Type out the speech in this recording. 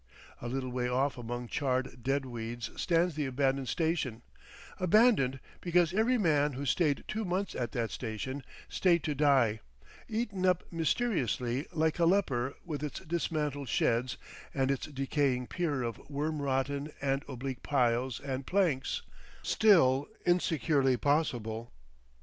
A little way off among charred dead weeds stands the abandoned station,—abandoned because every man who stayed two months at that station stayed to die, eaten up mysteriously like a leper with its dismantled sheds and its decaying pier of wormrotten and oblique piles and planks, still insecurely possible.